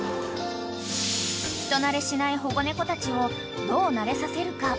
［人馴れしない保護猫たちをどう馴れさせるか］